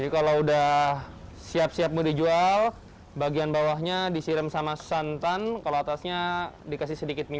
kalau udah siap siap mau dijual bagian bawahnya disiram sama santan kalau atasnya dikasih sedikit mie